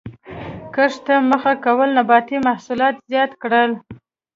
کښت ته مخه کولو نباتي محصولات زیات کړل.